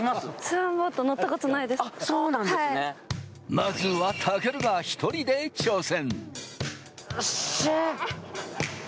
まずは、たけるが１人で挑戦。